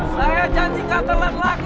saya janji gak telat lagi